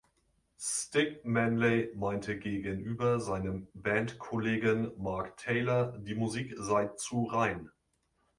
Stig Manley meinte gegenüber seinem Bandkollegen Mark Taylor, die Musik sei zu rein.